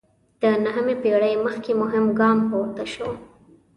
د نهمې پېړۍ مخکې مهم ګام پورته شو.